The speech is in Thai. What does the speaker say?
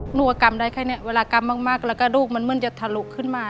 หนูว่ากำได้แค่นี้เวลากำมากแล้วก็ลูกมันเหมือนจะทะลุขึ้นมา